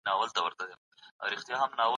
ايا حضوري ټولګي د ښوونکي وضاحت روښانه کوي؟